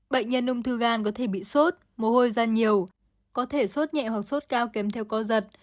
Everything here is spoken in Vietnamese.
bệnh nhân ung thư gan có thể bị sốt mồ hôi da nhiều có thể sốt nhẹ hoặc sốt cao kèm theo co giật